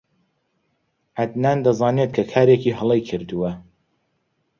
عەدنان دەزانێت کە کارێکی هەڵەی کردووە.